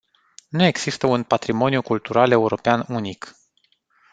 Nu există un "patrimoniu cultural european” unic.